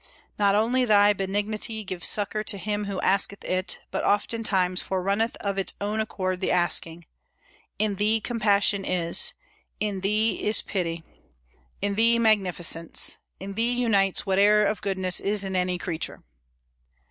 Not only thy benignity gives succor To him who asketh it, but oftentimes Forerunneth of its own accord the asking. In thee compassion is; in thee is pity; In thee magnificence; in thee unites Whate'er of goodness is in any creature."